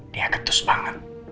dia getus banget